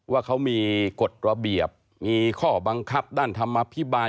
ว่าเขามีกฎระเบียบมีข้อบังคับด้านธรรมภิบาล